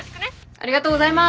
ありがとうございます。